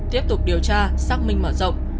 tiếp tục điều tra xác minh mở rộng